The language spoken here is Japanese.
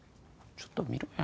ちょっと見ろや。